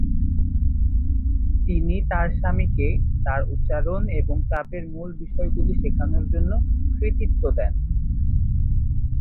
তিনি তার স্বামীকে তার উচ্চারণ এবং চাপের মূল বিষয়গুলি শেখানোর জন্য কৃতিত্ব দেন।